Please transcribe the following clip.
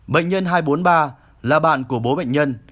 bệnh nhân hai trăm bốn mươi ba là bạn của bố bệnh nhân